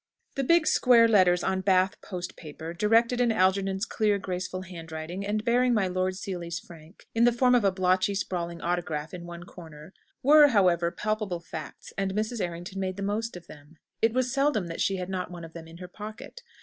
The big square letters on Bath post paper, directed in Algernon's clear, graceful handwriting, and bearing my Lord Seely's frank, in the form of a blotchy sprawling autograph in one corner, were, however, palpable facts; and Mrs. Errington made the most of them. It was seldom that she had not one of them in her pocket.